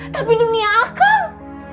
tapi dunia akang